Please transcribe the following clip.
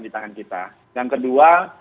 di tangan kita yang kedua